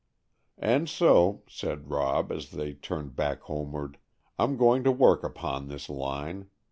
"And so," said Rob, as they turned back homeward, "I'm going to work upon this line.